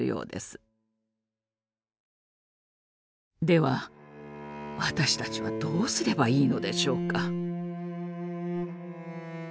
では私たちはどうすればいいのでしょうか？